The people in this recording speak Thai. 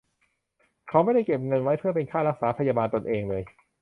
เขาไม่ได้เก็บเงินไว้เพื่อเป็นค่ารักษาพยาบาลตนเองเลย